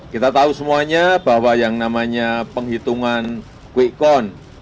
kita tahu semuanya bahwa yang namanya penghitungan pilkon